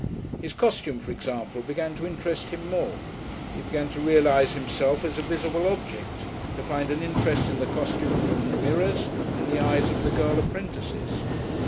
His costume, for example, began to interest him more; he began to realise himself as a visible object, to find an interest in the costume room mirrors and the eyes of the girl apprentices.